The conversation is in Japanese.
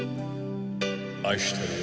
愛してるよ。